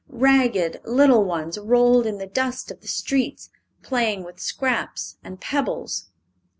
Ragged little ones rolled in the dust of the streets, playing with scraps and pebbles.